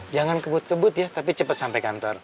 jangan kebut kebut ya tapi cepat sampai kantor